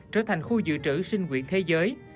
trở thành khu dự trữ sinh quyền thế giới